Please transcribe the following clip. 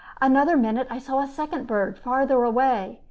Another minute, and I saw a second bird, farther away.